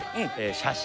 写真